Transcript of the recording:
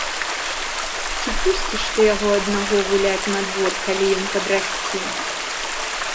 Ці пусціш ты яго аднаго гуляць на двор, калі ён падрасце?